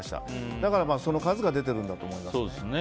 だから、その数が出てるんだと思います。